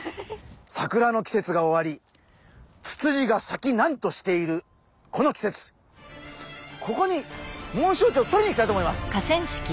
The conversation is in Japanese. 桜の季節が終わりツツジがさきなんとしているこの季節ここにモンシロチョウをとりにいきたいと思います。